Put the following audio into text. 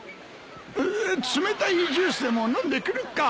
冷たいジュースでも飲んでくるか。